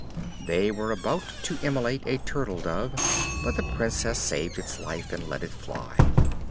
They were about to immolate a turtle dove, but the Princess saved its life, and let it fly.